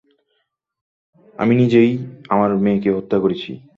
আমি নিজেই আমার মেয়েকে হত্যা করেছি।